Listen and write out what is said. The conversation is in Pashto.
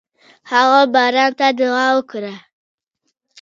هغه باران ته دعا وکړه.